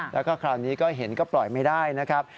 แล้วก็คราวนี้ก็เห็นก็ปล่อยไม่ได้นะครับ